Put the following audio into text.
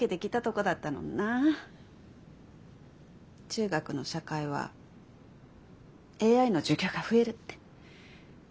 中学の社会はＡＩの授業が増えるって。